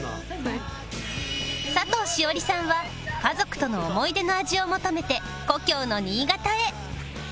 佐藤栞里さんは家族との思い出の味を求めて故郷の新潟へ